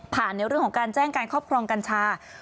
ในเรื่องของการแจ้งการครอบครองกัญชา